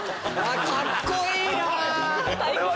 カッコいいな！